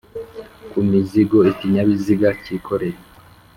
kumzigo ikinyabiziga cyikoreye